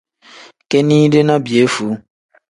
Kinide ni piyefuu.